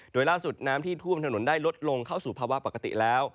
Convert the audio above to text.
โดยล่าสุดน้ำที่ท่วมถนนได้ลดลงเข้าสู่ภาวะปกติแล้ว